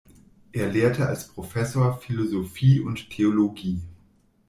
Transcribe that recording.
Er lehrte als Professor Philosophie und Theologie.